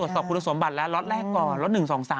สอบคุณสมบัติแล้วล็อตแรกก่อนล็อต๑๒๓